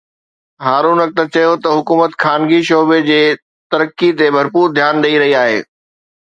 هارون اختر چيو ته حڪومت خانگي شعبي جي ترقي تي ڀرپور ڌيان ڏئي رهي آهي